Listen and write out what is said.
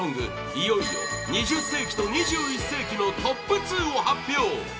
いよいよ、２０世紀と２１世紀のトップ２を発表